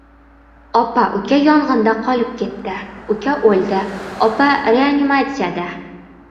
Opa-uka yong‘inda qolib ketdi. Uka o‘ldi, opa reanimasiyada